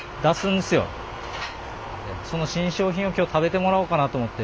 その新商品を今日食べてもらおうかなと思って。